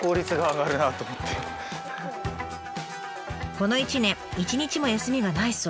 この１年一日も休みがないそう。